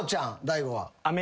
大悟は？